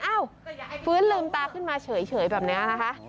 ฟื้นลืมตาขึ้นมาเฉยแบบนี้นะคะ